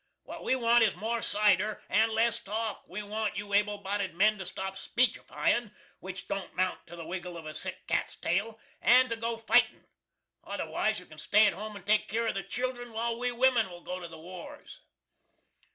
What we want is more cider and less talk. We want you able bodied men to stop speechifying, which don't 'mount to the wiggle of a sick cat's tail, and to go fi'tin'; otherwise you can stay to home and take keer of the children, while we wimin will go to the wars!"